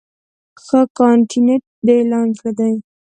ښه کانټینټ د اعلان زړه دی.